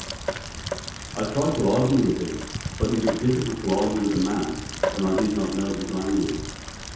I tried to argue with him, but it was difficult to argue with a man when I did not know his language.